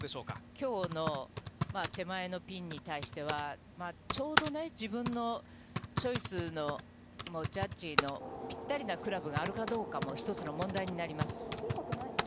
きょうの手前のピンに対しては、ちょうどね、自分のチョイスのジャッジのぴったりなクラブがあるかどうかも、一つの問題になります。